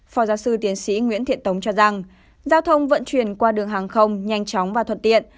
phó giáo sư tiến sĩ nguyễn thiện tống cho rằng giao thông vận chuyển qua đường hàng không nhanh chóng và thuận tiện